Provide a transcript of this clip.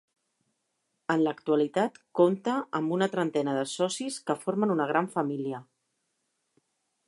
En l'actualitat compta amb una trentena de socis que formen una gran família.